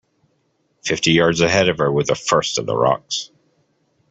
Fifty yards ahead of her were the first of the rocks.